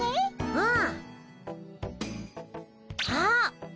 うん。